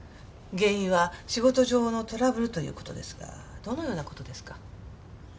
原因は仕事上のトラブルという事ですがどのような事ですか？